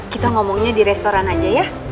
kita ngomongnya di restoran aja ya